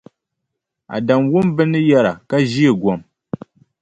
Adamu wum bɛ ni yɛra ka ʒeei gom.